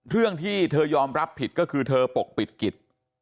เรื่องที่เธอยอมรับผิดก็คือเธอปกปิดกิจ